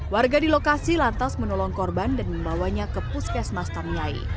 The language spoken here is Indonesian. warga di lokasi lantas menolong korban dan membawanya ke puskesmas tamiyai